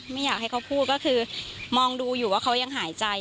ไม่อยากให้เขาพูดก็คือมองดูอยู่ว่าเขายังหายใจ